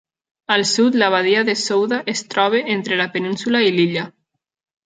Al sud, la badia de Souda es troba entre la península i l'illa.